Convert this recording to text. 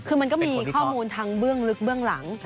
คือมันก็มีข้อมูลทางเบื้องลึกเบื้องหลัง